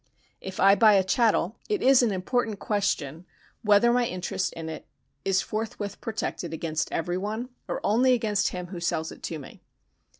If I buy a chattel, it is an important question, whether my interest in it is forthwith protected against every one, or only against him who sells it to me.